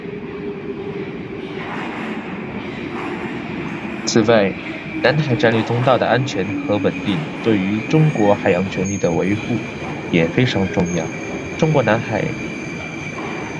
此外，南海战略通道的安全和稳定对于中国海洋权益的维护也非常重要。中国是南海的重要相关方之一，拥有南海诸岛及其附近海域的主权。保护南海战略通道的安全和稳定，可以有力地维护中国在南海的权益，确保中国在南海的合法权益得到充分的保障。